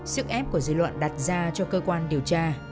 sức ép của dư luận đặt ra cho cơ quan điều tra